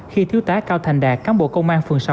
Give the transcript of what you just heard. khi thiếu tá cao thành đạt cán bộ công an phường sáu